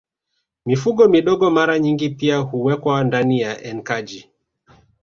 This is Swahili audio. Mifugo midogo mara nyingi pia huwekwa ndani ya enkaji